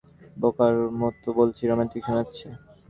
বোকার মতো বলছি, রোমান্টিক শোনাচ্ছে।